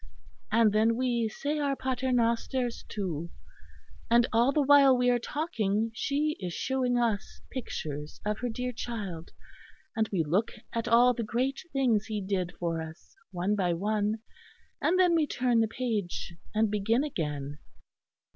And then we say our paternosters, too; and all the while we are talking she is shewing us pictures of her dear Child, and we look at all the great things He did for us, one by one; and then we turn the page and begin again."